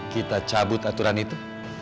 kita cabut aturan itu